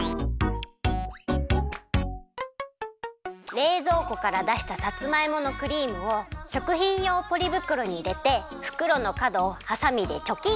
れいぞうこからだしたさつまいものクリームをしょくひんようポリぶくろにいれてふくろのかどをはさみでチョキン！